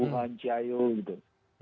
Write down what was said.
semangat tuhan gitu